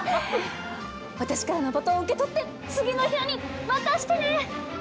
私からのバトンを受け取って、次の人に渡してね。